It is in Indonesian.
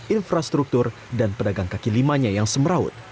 infrastruktur dan pedagang kaki limanya yang semeraut